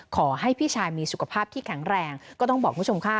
ขอให้พี่ชายมีสุขภาพที่แข็งแรงก็ต้องบอกคุณผู้ชมค่ะ